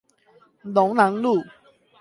龍南路